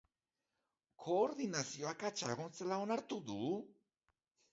Koordinazio akatsa egon zela onartu du.